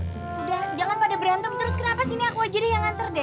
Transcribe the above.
udah jangan pada berantem terus kenapa sini aku jadi yang nganter deh